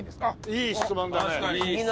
いい質問ですね。